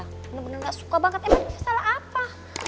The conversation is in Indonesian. bener bener gak suka banget emang itu salah apa